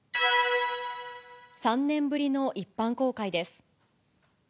３年ぶりの一般公開です。